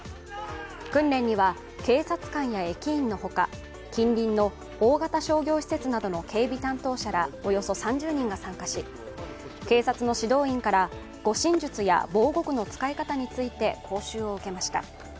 訓練には警察官や駅員のほか近隣の大型商業施設などの警備担当者らおよそ３０人が参加し、警察の指導員から護身術や防護具の使い方について講習を受けました。